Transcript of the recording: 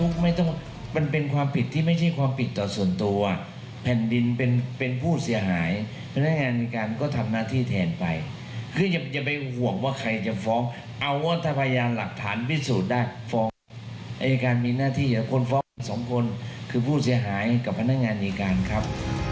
กับพนักงานดีการครับ